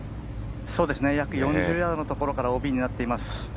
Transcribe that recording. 約４０ヤードのところからＯＢになっています。